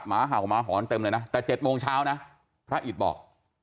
หมาเห่าหมาหอนเต็มเลยนะแต่๗โมงเช้านะพระอิตบอก